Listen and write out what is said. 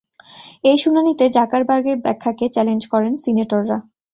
ওই শুনানিতে জাকারবার্গের ব্যাখ্যাকে চ্যালেঞ্জ করেন সিনেটররা।